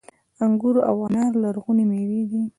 انګور او انار لرغونې میوې دي